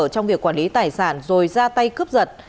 trong việc quản lý tài sản rồi ra tay cướp giật